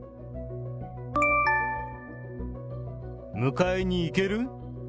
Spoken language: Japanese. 迎えに行ける？